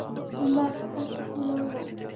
لمر هسک ولاړ و.